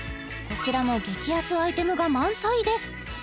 こちらも激安アイテムが満載です